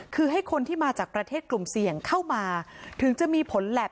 คือให้คนที่มาจากประเทศกลุ่มเสี่ยงเข้ามาถึงจะมีผลแล็บ